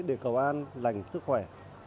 để cầu an lành sức khỏe